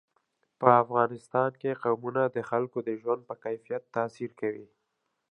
په افغانستان کې قومونه د خلکو د ژوند په کیفیت تاثیر کوي.